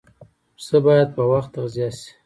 پسه باید په وخت تغذیه شي.